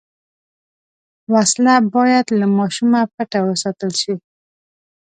وسله باید له ماشومه پټه وساتل شي